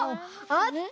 あった！